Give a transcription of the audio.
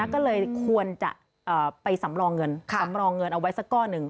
ก็เลยควรจะไปสำรองเงินสำรองเงินเอาไว้สักก้อนหนึ่ง